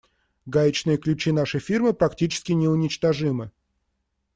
Гаечные ключи нашей фирмы практически неуничтожимы.